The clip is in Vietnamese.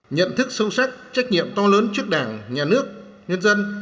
nhận thức sâu sắc trách nhiệm to lớn trước đảng nhà nước nhân dân